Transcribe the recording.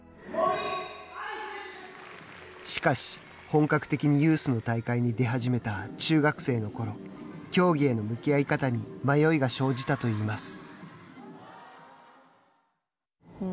しかし、本格的にユースの大会に出始めた中学生のころ競技への向き合い方に迷いが生じたといいます。